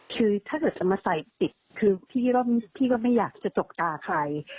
คือถ้าเกิดจะมาใส่ติดคือพี่ก็ไม่อยากจะจกตาใคร